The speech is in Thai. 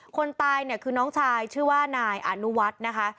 คนตายเนี่ยคือน้องชายชื่อว่านายอนุวัฒน์นะคะ